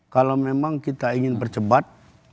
kalau memang kita ingin percepat